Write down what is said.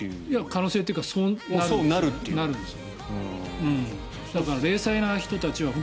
可能性というかそうなるんです。